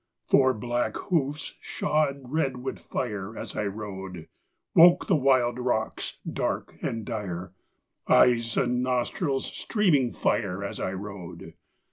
Four black hoofs shod red with fire, As I rode, Woke the wild rocks, dark and dire; Eyes and nostrils streaming fire, As I rode.